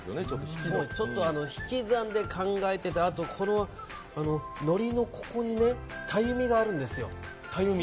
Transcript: ちょっと引き算で考えててあとのりのここにたゆみがあるんですよ。